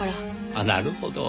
あっなるほど。